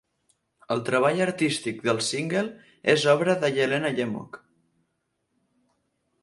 El treball artístic del single és obra de Yelena Yemchuk.